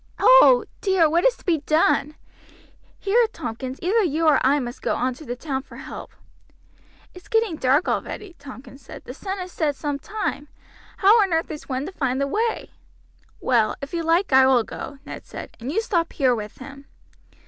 "Oh! dear, what is to be done? Here, Tompkins, either you or I must go on to the town for help." "It's getting dark already," Tompkins said; "the sun has set some time. How on earth is one to find the way?" "Well, if you like I will go," Ned said, "and you stop here with him."